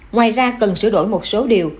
ngoài ra cần sửa đổi một số điều